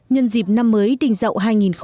nhân dịp năm mới tình dậu hai nghìn một mươi bảy